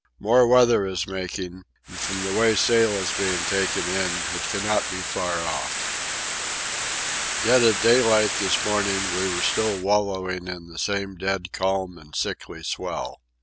More weather is making, and from the way sail is being taken in it cannot be far off. Yet at daylight this morning we were still wallowing in the same dead calm and sickly swell.